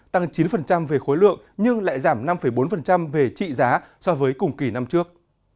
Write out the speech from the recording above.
tăng chín về khối lượng nhưng lại giảm năm bốn về trị giá so với cùng kỳ năm trước